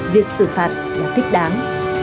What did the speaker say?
việc xử phạt là thích đáng